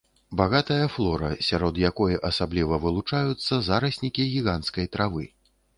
Багатая флора, сярод якой асабліва вылучаюцца зараснікі гіганцкай травы.